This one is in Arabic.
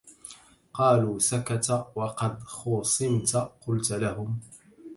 قالوا سكت وقد خوصمت قلت لهم